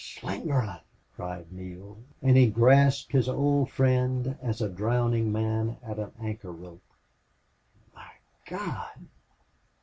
"Slingerland!" cried Neale, and he grasped his old friend as a drowning man at an anchor rope. "My God!